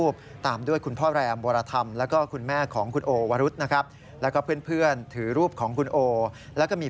พระสงฆ์เดินจูงสายสิน